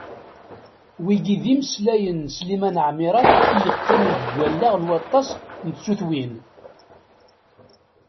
Wigi d imeslayen n Sliman Ɛmirat i yeqqimen deg wallaɣ n waṭas n tsutwin.